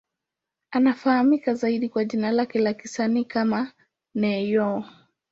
Anafahamika zaidi kwa jina lake la kisanii kama Ne-Yo.